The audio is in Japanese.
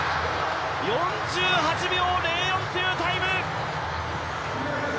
４８秒０４というタイム！